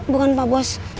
bukan pak bos